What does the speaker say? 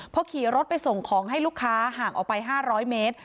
พอขี่รถไปส่งของให้ลูกค้าห่างออกไป๕๐๐เมตร